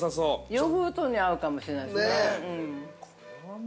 ◆ヨーグルトに合うかもしれないですね。